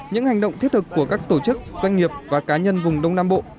những hành động thiết thực của các tổ chức doanh nghiệp và cá nhân vùng đông nam bộ